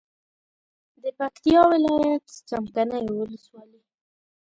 د پکتیا ولایت څمکنیو ولسوالي